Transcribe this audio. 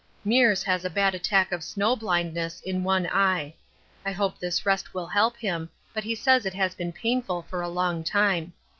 Meares has a bad attack of snow blindness in one eye. I hope this rest will help him, but he says it has been painful for a long time.